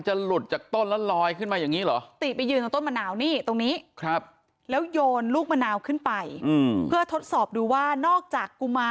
หลอยมาที่ระเบียง